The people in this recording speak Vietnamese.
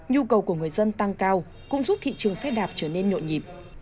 nhu cầu của người dân tăng cao cũng giúp thị trường xe đạp trở nên nhộn nhịp